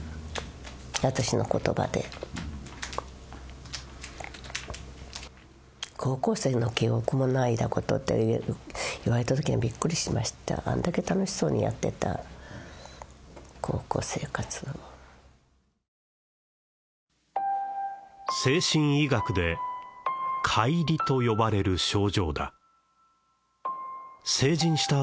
私の言葉でうん「高校生の記憶もない」だことって言われた時にはビックリしましたあんだけ楽しそうにやってた高校生活を精神医学で「解離」と呼ばれる症状だ成人した